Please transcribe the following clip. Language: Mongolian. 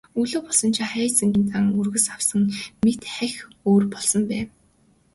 Өглөө болсон чинь Хайнзангийн зан өргөс авсан мэт хахь өөр болсон байв.